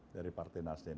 dari partai nasdem